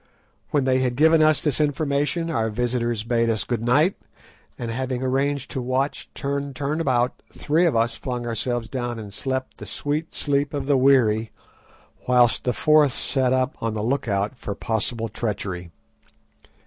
When they had given us this information our visitors bade us good night; and, having arranged to watch turn and turn about, three of us flung ourselves down and slept the sweet sleep of the weary, whilst the fourth sat up on the look out for possible treachery.